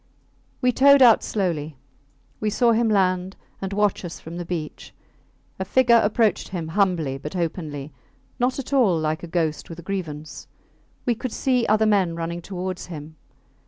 We towed out slowly. We saw him land and watch us from the beach. A figure approached him humbly but openly not at all like a ghost with a grievance. We could see other men running towards him.